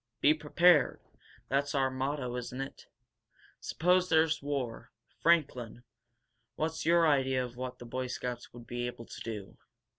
Be prepared! That's our motto, isn't it? Suppose there's war. Franklin, what's your idea of what the Boy Scouts would be able to do?"